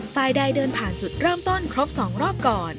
ฝ่ายใดเดินผ่านจุดเริ่มต้นครบ๒รอบก่อน